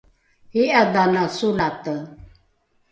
i’adhana solate